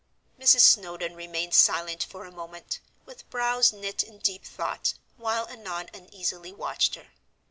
Mrs. Snowdon remained silent for a moment, with brows knit in deep thought, while Annon uneasily watched her.